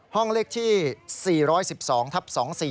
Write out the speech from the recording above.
ห้องเลขที่๔๑๒ทับ๒๔